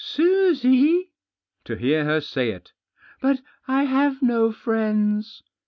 "Susie?" To hear her say it 1 "But I have no friends."